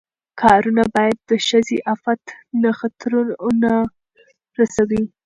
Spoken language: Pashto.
کارونه باید د ښځې عفت ته خطر ونه رسوي.